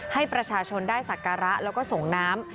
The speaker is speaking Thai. ให้ประชาชนได้สักการะแล้วก็ส่งน้ำ